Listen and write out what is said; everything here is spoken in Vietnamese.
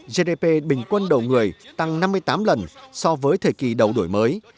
gdp bình quân đầu người tăng năm mươi tám lần so với thời kỳ đầu đổi mới